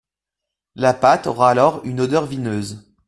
La pâte aura alors une odeur vineuse.